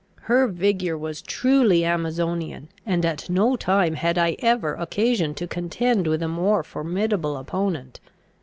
Her vigour was truly Amazonian, and at no time had I ever occasion to contend with a more formidable opponent.